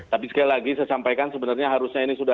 tapi sekali lagi saya sampaikan sebenarnya harusnya ini sudah